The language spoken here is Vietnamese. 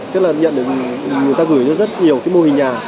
tức là nhận được người ta gửi ra rất nhiều cái mô hình nhà